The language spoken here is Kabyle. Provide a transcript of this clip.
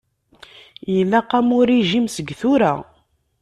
Ilaq-am urijim seg tura.